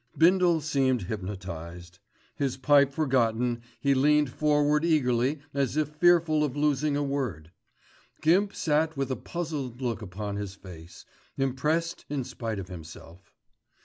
Bindle seemed hypnotised. His pipe forgotten he leaned forward eagerly as if fearful of losing a word. Gimp sat with a puzzled look upon his face, impressed in spite of himself.